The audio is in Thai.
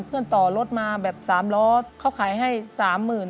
ต่อรถมาแบบ๓ล้อเขาขายให้๓๐๐๐บาท